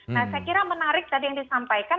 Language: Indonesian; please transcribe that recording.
nah saya kira menarik tadi yang disampaikan